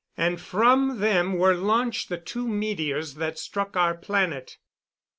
And from them were launched the two meteors that struck our planet.